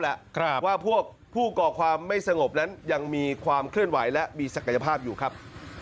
เพราะว่าผู้กอกความไม่สงบยังมีความเคลื่อนไหวและศักยภาพอยู่ครับ